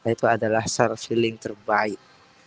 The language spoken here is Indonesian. itu adalah syar feeling terbaik